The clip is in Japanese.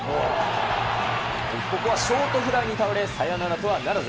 ここはショートフライに倒れ、サヨナラとはならず。